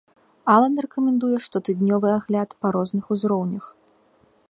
Алан рэкамендуе штотыднёвы агляд па розных узроўнях.